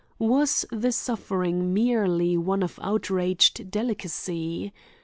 Was the suffering merely one of outraged delicacy?